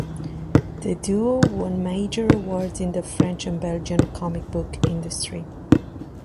The duo won major awards in the French and Belgian comic book industry.